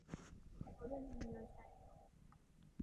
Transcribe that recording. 은희는 돌아가신 어머니가 몹시도 보고 싶었습니다.